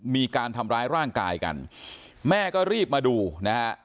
มีการทำร้ายร่างกายกันแม่ก็รีบมาดูนะฮะ